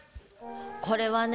これはね